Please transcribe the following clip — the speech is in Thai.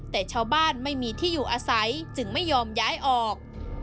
แต่ชาวบ้านไม่มีที่อยู่อาศัยจึงไม่ยอมย้ายออก